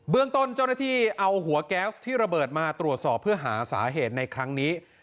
เรื่องต้นเจ้าหน้าที่เอาหัวแก๊สที่ระเบิดมาตรวจสอบเพื่อหาสาเหตุในครั้งนี้